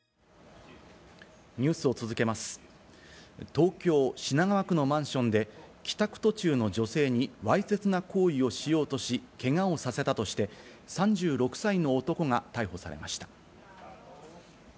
東京・品川区のマンションで帰宅途中の女性にわいせつな行為をしようとし、けがをさせたとして３６歳の男が逮捕されました。